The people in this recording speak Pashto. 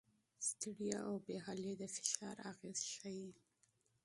ستړیا او بې حالي د فشار اغېز ښيي.